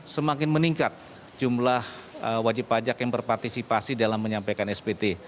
semakin meningkat jumlah wajib pajak yang berpartisipasi dalam menyampaikan spt